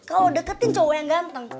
kalau deketin coba yang ganteng